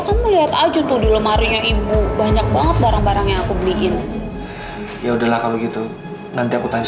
sampai jumpa di video selanjutnya